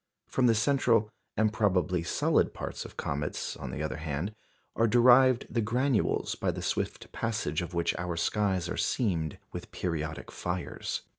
From the central, and probably solid parts of comets, on the other hand, are derived the granules by the swift passage of which our skies are seamed with periodic fires.